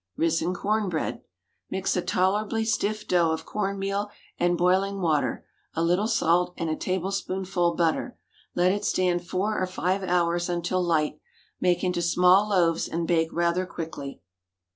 RISEN CORN BREAD. Mix a tolerably stiff dough of corn meal and boiling water, a little salt, and a tablespoonful butter. Let it stand four or five hours until light; make into small loaves and bake rather quickly.